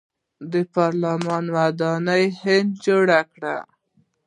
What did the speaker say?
د پارلمان ودانۍ هند جوړه کړه.